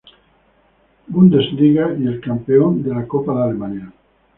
Bundesliga y el campeón de la Copa de Alemania.